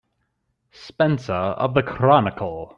Spencer of the Chronicle.